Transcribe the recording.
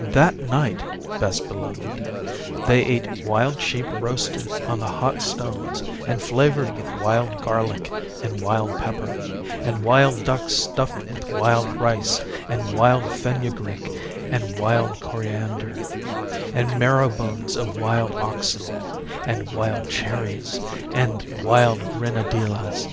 That night, Best Beloved, they ate wild sheep roasted on the hot stones, and flavoured with wild garlic and wild pepper; and wild duck stuffed with wild rice and wild fenugreek and wild coriander; and marrow bones of wild oxen; and wild cherries, and wild grenadillas.